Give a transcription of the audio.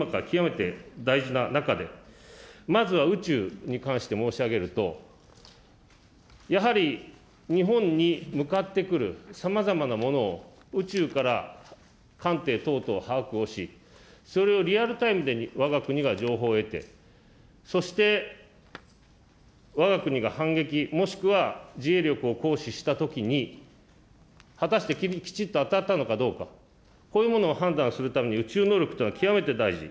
こういう新しい分野でどう取り組んでいくかというのは今から極めて大事な中で、まずは宇宙に関して申し上げると、やはり日本に向かってくる、さまざまなものを宇宙から艦艇等々把握をし、それをリアルタイムでわが国が情報を得て、そして、わが国が反撃、もしくは自衛力を行使したときに果たしてきちっと当たったのかどうか、こういうものを判断するために宇宙能力というのは極めて大事。